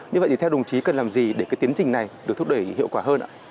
như vậy thì theo đồng chí cần làm gì để cái tiến trình này được thúc đẩy hiệu quả hơn ạ